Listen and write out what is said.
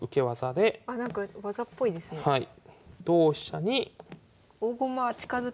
はい。